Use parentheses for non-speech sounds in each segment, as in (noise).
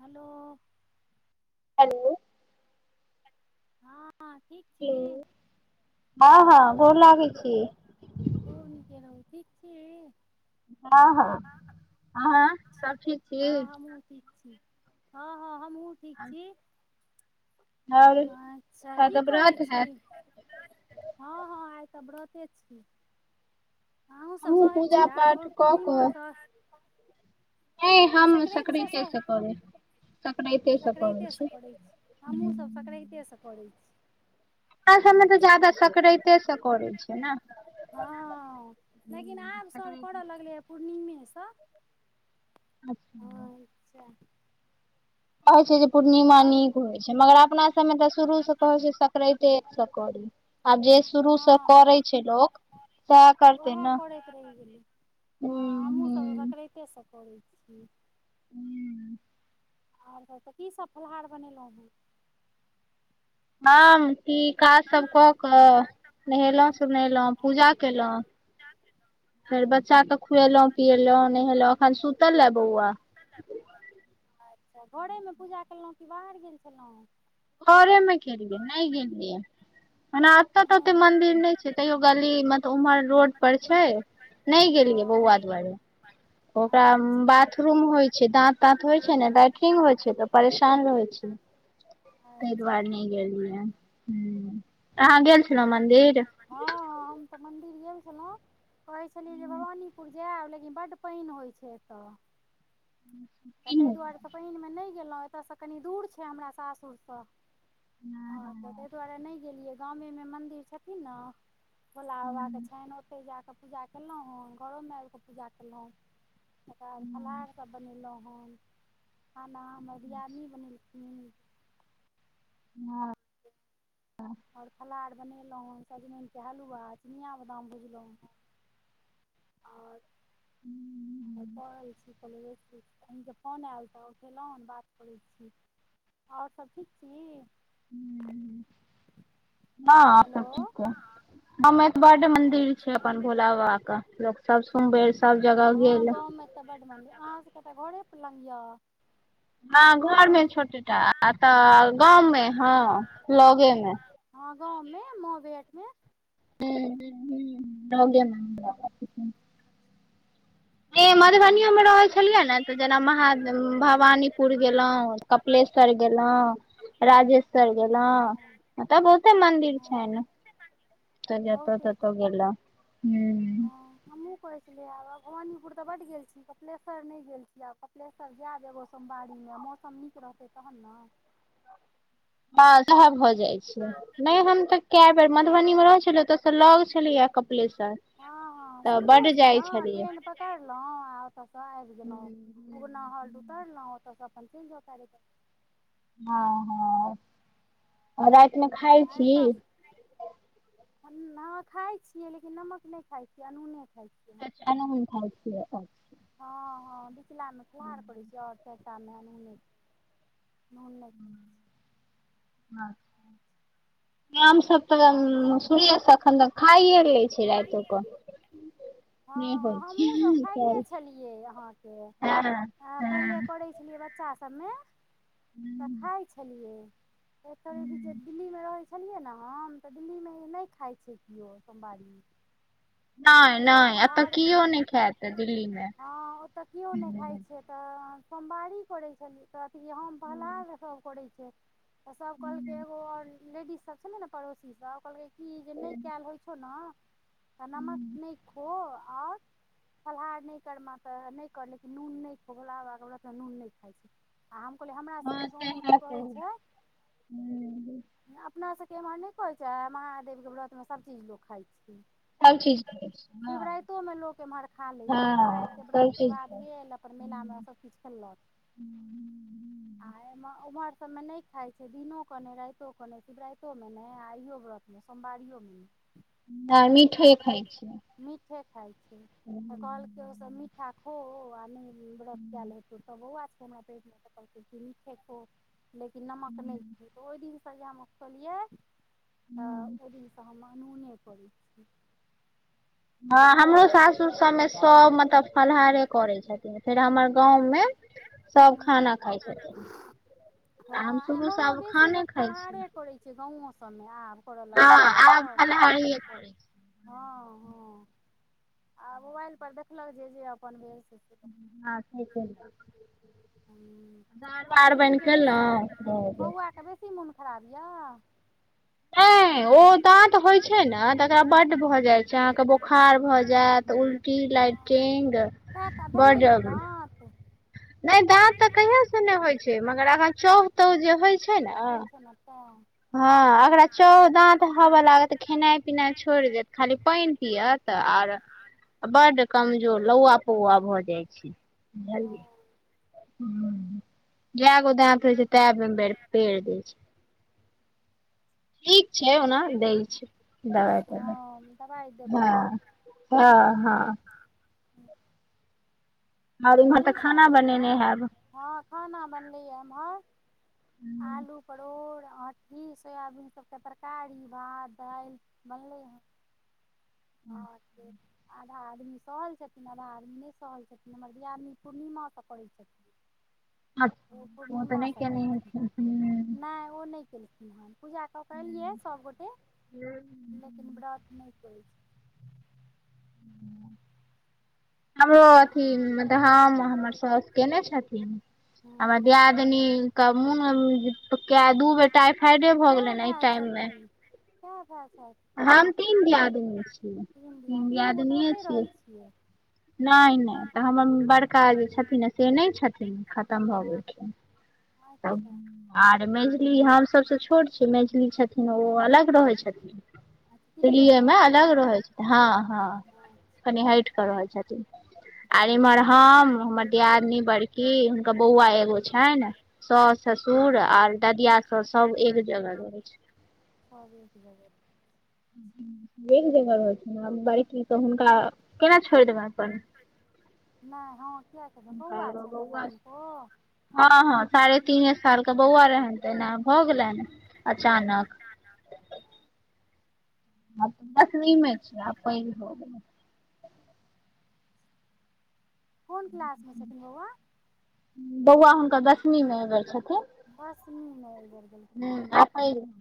Hello hello हँ ठीक छी हँ हँ भोर लागै छी खुब नीके रहु ठीक छी। हँ हँ अहाँ सब ठीक छी हँ हमहूँ ठीक छी हँ हँ हमहु ठीक आओर छी तऽ अच्छा की तऽ करै व्रत छी। हैत हँ हँ आइ तऽ व्रते छी अहूसब हमहूँ सहै पूजा छियै आब पाठ ओए कऽ कऽ पूर्णिमासँ नहि कि हम सक्रान्तिसँ सक्रते स करे सक्राते सक्रतेसँ करैत छी हमहुसब सक्रतेसँ करैत छी (unintelligible) सबमे तऽ ज्यदा अच्छा सक्रते स करै छै न हँ लेकिन आबसब करै लगलैए पूर्णिमेसँ अच्छा अच्छा (inaudible) कहइ छै जे पूर्णिमा आओर नीक होय छै मगर अपना सबमे तऽ शुरू से कहै छै सक्रते स कड़ी आब जे शुरू स करै छै लोक सएह करतै वैहे ने करैत रहि गेलै हँ हमहुँ सब हूं सक्रेत ते स करै छी हू आर कहू तऽ कीसब फलहार बनेलौ हँ आम ई काज हेँ सब क कऽ की नहेलों सोनेलौ पूजा केलौ फेर बच्चा के खुएलो पियलौ नहेलो अखन सुतल ले बौआ अच्छा घरेमे पूजा कलौ कि बाहर गेल छलौ है घरेमे केलियै नहि गेलियै ओना एतऽ तऽ ओते नहि गेल मंदिर नहि छै तैयो गली में तऽ उम्हर रोड पर छै नहि गेलियै हँ बौआ दुआरे हँ ओकरा अच्छा बाथरूम होइ छै दाँत-ताँत होइ छै ने लैट्रिन होइ छै तऽ परेशान रहै छै तैय अच्छा दुआरे नहि गेलियै ह अहाँ गेल छलहुँ मंन्दिर हँ हम तऽ मंदिर गेल छलौ कहै छलियै जे भवानीपुर जायब लेकिन बड्ड पइन होय छै ऐतऽ तऽ नहि तैय हम दुआरेसँ पैनमे नहि गेलहुँ एतसँ कनि दूर छै हमरा सासुरसँ हँ तऽ तैय दुआरे नहि गेलियै गामेमे मन्दिर छथिन न भोलाबाबा नहि के छनि ओतहि जा कऽ पूजा कैलौ हँ घरोमे आबि कऽ पूजा कैलौ तकर बाद हँ फलहारसब बनेलौ हन खाना हमर दियादनी बनेलखिन! (inaudible) और फलहार बनेलहुँ ह सजमन के हलुआ चिनिया बदाम भुजलहुं हे! और हे कहेय छि कनी मिस्त्री कनके फोन ऐल रहो ल हन बात करै छी, और सब ठीक छी? हाँ और हेलो सब ठीक ये। हमे त बड मंदिर छै अच्छा अपन भोला बाबा क, लोक सब सुमबेर सब जगह गेल। बड मनदीर अहाँ सब के तऽ घरे पलंग यऽ। ह घर मे छोटेटा अतऽ गाँव मे ह लगे मे। ह गांवमे मोहबेट मे। हु - हु - हु रग्यमे (unintelligible) हे मधबनियो अच्छा में रहै छलियै ने तऽ जेना महादेव भवानीपुर गेलउ। कपलेश्वर गेलाउ। राजेश्वर हँ गेलाऊँ हँ ओत बहुते मंदिर छैन। हँ तऽ जत बहुते छै। तत गेलउ हु। हमहुँ कहै छलियै आब भवानीपुर तऽ बड गेल छी कपलेश्वर नै गेल छी। तब जे देबो सोमवारीमे मौसम नीक रहतै तहन ने। मालदह भऽ जाय। नै हम तऽ केए बेर मधुबनी हँ हँ मे रहै छलिये, ओत सँ लग छलैये कपलेश्वर। तऽ बड्ड जाइ छलियै। उतरलों आ ओत स ऐब गेलो हँ उगना हल्ट उतारलउ ओत स अपन चैल जाउ पेरे - पेरे। ह - ह आ रैत मे खाय छी। ह खाय छियै लेकिन नमक नै खाय छियै अनूने खाय छियै हम! (unintelligible) ह - ह बिचला में फलहार करै छिये और सब तामे अनुने नून नै। (unintelligible) (unintelligible) आओर सूर्यस्त अखन त खाए लै छै रेतो क। ह - ह हमहूँसब खाइते छै छलियै अहाँके हँ आ पहिले हँ इसलिए बच्चा सबमे। तऽ खाय छेलियै, फेर थोड़े बिचे दिल्ली मे रहैय छेलियै न हम तऽ दिल्लीमे नै खाय छै किओ सोमवारी। नहि सब नहि एतऽ फलहार कियो नहि खायत दिल्ली मे ह ओतऽ किओ नै खाय छै! तऽ सोमवारी करै छेलियै, तऽ अथी हम फललाहार सभ करै छै! त सब कहलकै एगो और लेडीज सब छेले न पड़ोसी सब कहलकै की जे नै केल होइ छौ न त नमक नै खो और फलाहार नै करमें तऽ नै कर लेकिन नून नै खो भोला बाबा के ब्रत में नून नै खाइ छै। आ हम कहलिए हमरा हँ सभके गाँवमे तऽ सएह कहै छै कहू अपना सबके एम्हर नै। नै कहै छै महादेवके व्रतमे सबचीज लोक खाय छै! हर चीज (unintelligible) शिवराइतो मे लोक एम्हर खा लै छै, शिवराइत के व्रत सब के चीज बाद करै गेल अपन मेलामे छी सब किच खेललक! (inaudible) आ एम उम्हर सब मे नै खाय छै दिनो क नै रैतो क नै शिवराइत। (unintelligible) नहि आ इहो व्रतमे सोमवारियो मे नै। ना मीठे खाइ छि। मीठे खाय छी त कहलक ओ सब मीठा खो आ। व्रत केल हेतो तऽ बउआ सब रहे हमरा पेट में तऽ कहल कै मीठे खो। लेकिन नमक नै खो तऽ ओय दिन सँ जे हम खलियै तऽ ओहि दिनसँ हम। अनूने पड़ै छै। हँ हमरो सासुर सभमे सभ मतलब फलाहारे करै छथिन फेर हमर गाँव मे सब हूँ खाना खााय छथिन। आ हम हँ शुरूसँ एम्हरो आब बेसी खाने लोक खाइ छी फलाहारे करैत छै। गामोसभमे आब फोड़ लागल हँ य आब सब फलाहारिये करै छी हँ हँ। आ मोबाइल परर देखलक जे जे अपन भेल से से हँ छै। रख हूँ अहा आ अरबा अरबैन केलउ त बेसी मोन खराब यऽ नहि ओ दाँत होइ छै। ने तकरा बड्ड भऽ जाय छै। अहाँके बोखार भऽ जायत उलटी लइ कीग त भेलैय बत नहि दाँत तऽ कहिय से नहि होइ छै मगर आगाँ चउ तउ जे होइ छै। ने नाप। हँ। अगला चौउ हबे लागत खेनाइ पिनाइ छोड़ि देत खाली पानि पियअत आर आ बड कमजोर लौआ पौआ भऽ जाइ छै। बुझलियै। हँ ह जए गो दात होइ छै। तए बेर पेड़ दय छै। ठीक छै। ओना दै छै। दबाइ तबाइ हँ दबाइ हँ देबै हँ। हँ। आओर इम्हर तऽ दू खाना सालके यए बनेने हैब हँ। खाना बनलै हए हममहर। आलू परोड़ अँटी सोयाबीन सभके तरकारी भात दालि। मले हँ। त आधा आदमी सहल छथिन आधा आदमी नहि सहल छथिन हमर दिआादनी पूर्णिमास तऽ करैत छथिन। ओ अच्छा तऽ नहि पूर्णिमासँ केने करथिन हेथिन हूँ नहिई ओ नहि केलिन ह पूजा क के एलियै सब गोटे हू लेकिन ब्रत नहि करै छै। हमरो अथी मल हम हमर सउस केने छथिन? हमर हँ दियादनी क मन दू बेट टाइफाइडे भ गेले नेा टाइम मे ह ह सा हम तीन दियादनी छीयै दिया तीन तीनू गोटे दियादनियए ओतहि छियै। रहै नहि नहि तऽ हमर बड़का जे छथिन। से नहि छथिन। खतम भ हँ गेलखिन अच्छा आर मैझली हम सबस छोट छियै। मैथिलली छथिन ओ अलग रहै छथिन। अच्छा दलीए दिल्लीएमे मे अलग रहै छै। हँ हँ कनि हट केऽ रहै छथिन। (inaudible) आर इम्हर हम हमर दियादनी बड़की हुनकर बौआ एगो छनि ने। सास ससुर हँ आर ददिया स सब एक जगह रहैत छै। हर भब एक जगह रह छै। बड़ी हुनका केना छोड़ि देबनि अपन नहि हँ किए छै। हुनका बौआ छनि एगो बौआ हुनको? हँ हँ साढ़े तीने साल के बौआ रहनि ते भऽ गेलै अचानक हँ दसमीमे छियै आब पैघ भ गेलय। कोन क्लासमे छथिन बौआ। बौआ हुनकर दशमीमे एयबेर छथिन। (unintelligible) हू हन (unintelligible) अच्छा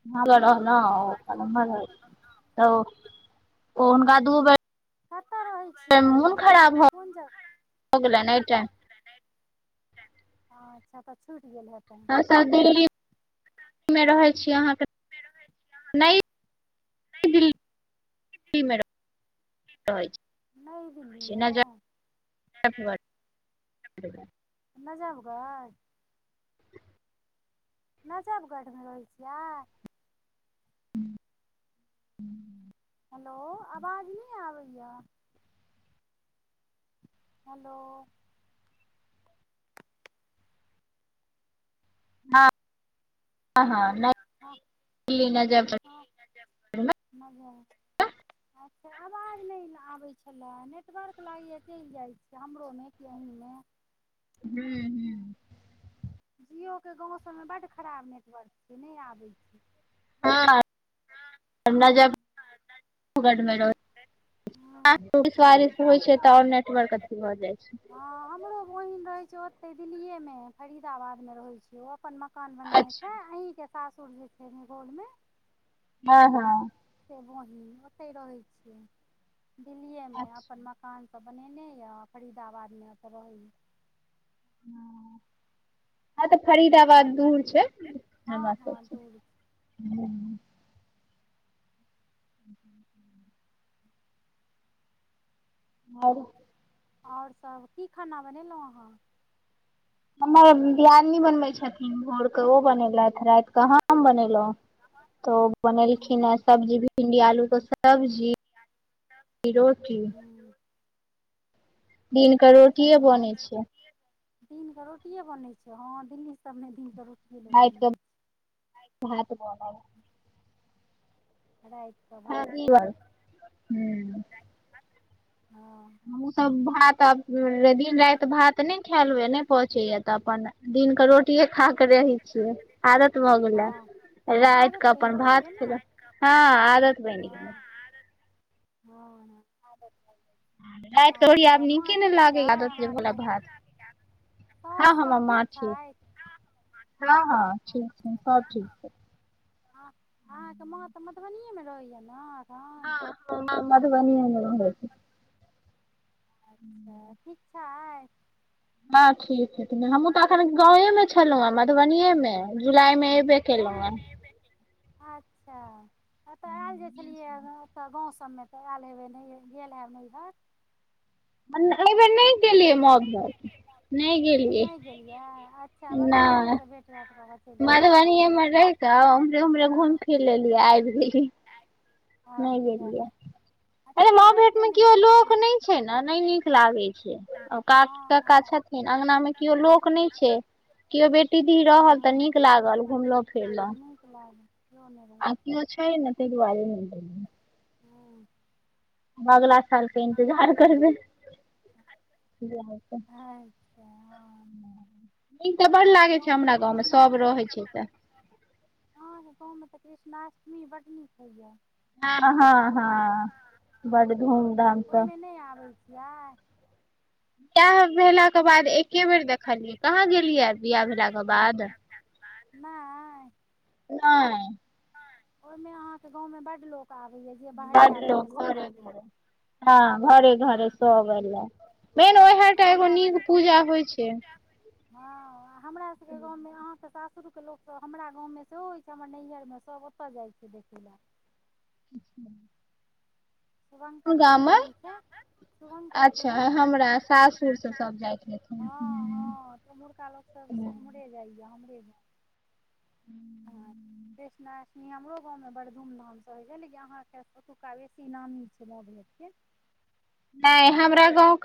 (unintelligible) ओ हुनका दू बेर कतऽ रहै छियै मोन खराब दिल्लीमे भ गेलनि एहि टाइम हँ अच्छा तऽ छुटि गेल हेतैन। दिल्ली मे रहै छी अहाँके नहि नई (inaudible) दिल्लीमे छीनऽ। (inaudible) नजबगढ। नजबगढ़ मे रहै छियै। हेलो आवाज नहि आबैया। हेलो। हँ हँ नइ हँ दिल्ली नजबगढ मे। हँ नजबगढ। अच्छा आवाज नहि आबैत छलए नेटवर्क लागैए चलि जाइत छैय। कि हमरो मे कि अहिमे। हूँ- हूँ। जिओके गाँव सबमे बड्ड खराब नेटवर्क छैय नहि आबैत छैय। हँ नजबगढमे हँ रहय वारिश होइ छैय तऽ आओर नेटवर्क अथी भ जाइ छैय। हँ हमरो बहिन रहै छैय ओते दिल्लीेयेमे फरीदाबाद मे रहै छैय ओ। अपन मकान बनने अच्छा छैय अहीं के सासुर जे छैय निगोलमे। हँ- हँ। से बहिन ओतहि रहै छियै दिल्लीएमे अच्छा अपन मकान मकान सब बनेने यऽ फरीदाबादमे ओतऽ रहैय। हँ तऽ फरीदाबाद दूर छैय हँ हमरा हँ सबस। दूर छै (unintelligible) आओर सब की खाना बनेलहुँ अहाँ। हमर दियादनी बनबे छथिन। भोर के ओ बनेलथि रैति केऽ हम बनेल तऽ ओ बनेलखिन हूँ हे सब्जी भिंडी आलू के सब्जी। (unintelligible) हूँ दिन कऽ रोटिए बनै छैय। दिनकऽ रोटिेये बनै छैय, हँ दिल्ली सबमे दिनकऽ रोटी रैति के भात बनल। रैति (inaudible) हँ। हमहूँ सब भात आब दिन राति भात नहि खायल होए नहि पचैय तऽ अपन दिनके रोटिए खा के रहै छियै आदत भऽ गेलए। हँ रैति आदत कऽ बनि अपन जाइ भात छै ने हँ खेलक हँ आदत बनि गेल। हँ आदत। (unintelligible) रैति क न रोटी (unintelligible) आब नीके नै लागैय यऽ आदत जे भेलऽ अहाँके भात के। साउस हाँ सब हमर माँ ठीक छथि हाँ हाँ ठीक छै सब ठीक छै। हँ अहाँके माँ तऽ मधुबनिएमे रहैया न? हँ हमर माँ मधुबनिएमे रहै छै। अच्छा ठीक छैये। हाँ ठीक है। हमहूँ तऽ अखन गावे मे छलहुँ हां मधुबनीेये मे जुलाई मे एबे गाँव केलहुँ हन। अच्छा एतऽ आयल जाइ छलियै ओतऽ गाँव सबमे तऽ एल हेबै नहि गेल हयब नैहर। एहि बेेर नहि गेलियै मां घर नै गेलियै। गेलिये अ अच्छा मधुबनिए से भेट होत रहत। मधुबनीये मे रहि क उम्हरे उम्हरे घुम फिर लेलियै आबि गेली। नहि अच्छा गेलिय, अच्छा अरे म केओ भेट रहिते मे नहि केओ छै तऽ लोक की नहि छै न नहि नीक लागे। अ क हँ कका हँ छथिन अंगना मे केओ लोक नहि छै। केओ बेटी दी रहल तऽ हूँ नीक लागल घुमलो फिरलो। नेब (unintelligible) छै ह नहि वाले म (unintelligible) ह्म्म अगला सालके इन्तजार करबे। (inaudible) अच्छा हँ नीक तऽ बड्ड अहाँके लागैत छै हमरा गाँवमे सभ रहैत छै तऽ। हँ त गाँवमे तऽ कृष्णाष्टमी बड नीक होइए। हाँ-हाँ -हाँ बड धूम धाम त ओहिमे नहि आबै छियै? (unintelligible) भेला के बाद एके बेर देखलियै कहाँ गेलियै बिआाह भेला के बाद। नाय नहि ओहिमे अहाँके गाँव मे बड लोक अबैय या जे बाहरिया रहैया सब अबैय। हाँ घरे घरे सब एले मेन ओह आ टा एगो हमरा नीक पूजा होइ छै। हाँ आ हमरा सबके गामवमे अहाँ तऽ सासुरके लोकसभ हमरा गामवमे सेहो होइ छै हमर नैहरमे सभ पा जाइ छै देख ला। (inaudible) शुभंकर कोन गाम पूर्णिया मे होइ छै। शुभंकर पुर अच्छा मे हँ हमरा सासुर से सब जाइत रहथिन हूँ हँ त (unintelligible) ओमहका सबस उम्हरे जाइया हमरे ग (inaudible) कृष्णाष्टमी हमर गाममे बड़ड धूमधामसँ होइ छै नेेक अहाँके ओतुका बेसी नामी छै म (unintelligible) भेटके नहि हमरा गाँव क